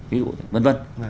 ví dụ như vân vân